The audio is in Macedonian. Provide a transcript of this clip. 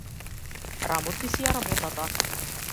Работи си ја работата.